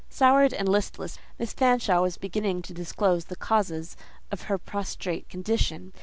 Soured and listless, Miss Fanshawe was beginning to disclose the causes of her prostrate condition.